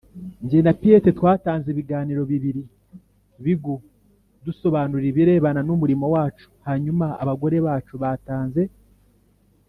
njye na Piet twatanze ibiganiro bibiri bigu dusobanura ibirebana n umurimo wacu Hanyuma abagore bacu batanze